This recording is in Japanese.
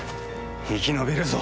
生き延びるぞ！